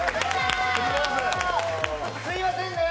すいませんね。